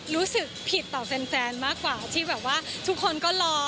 รู้สึกผิดต่อแฟนมากกว่าที่แบบว่าทุกคนก็รอ